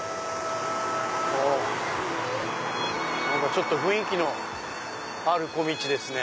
ちょっと雰囲気のある小道ですね。